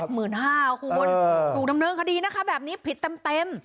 ๗๕๐๐๐ฮูมิลถูกนำเนินคดีแบบนี้ผิดเต็ม